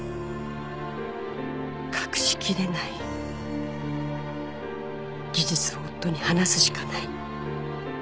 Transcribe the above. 「隠しきれない」「事実を夫に話すしかない」